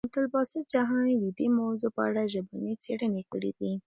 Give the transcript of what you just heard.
عبدالباسط جهاني د دې موضوع په اړه ژبني څېړنې کړي دي.